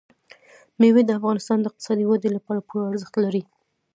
مېوې د افغانستان د اقتصادي ودې لپاره پوره ارزښت لري.